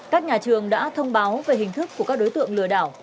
các nhà trường đã thông báo về hình thức của các đối tượng lừa đảo